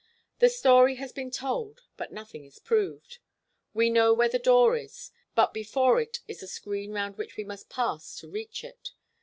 The story has been told, but nothing is proved. We know where the door is, but before it is a screen round which we must pass to reach it.